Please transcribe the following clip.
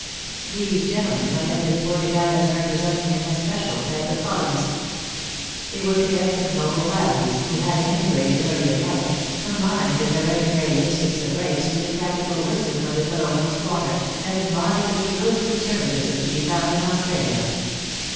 These gentlemen might have been pointed out as representing an especial type of colonist They were cadets of noble families, who having emigrated early in life, combined the hereditary instincts of race with the practical wisdom of the colonial squatter, and embodied the truest Conservatism to be found in Australia.